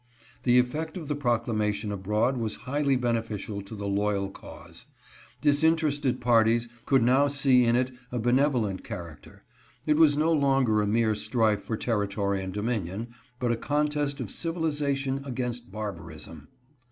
The effect of the proclamation abroad was highly bene ficial to the loyal cause. Disinterested parties could now BUT AN IMMENSE GAIN. 431 see in it a benevolent character. It was no longer a mere strife for territory and dominion, but a contest of civiliza tion against barbarism.